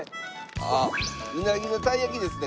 あっうなぎの鯛焼きですね